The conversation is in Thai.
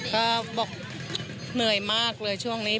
ก็บอกเหนื่อยมากเลยช่วงนี้